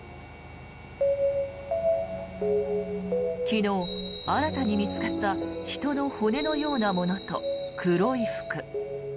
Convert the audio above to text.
昨日、新たに見つかった人の骨のようなものと黒い服。